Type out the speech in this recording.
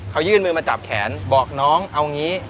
เขายื่นมือมาจับแขนบอกน้องเอางี้